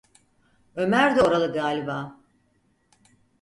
Ömer de oralı galiba?